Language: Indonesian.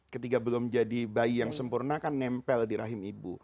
ketika belum jadi bayi yang sempurna kan nempel di rahim ibu